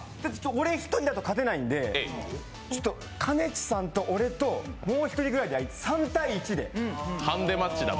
俺１人だと勝てないんでかねちさんと俺と、もう１人ぐらいで３対１でハンデマッチ。